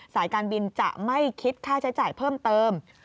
สายการบินจะไม่คิดค่าใช้จ่ายเพิ่มเติม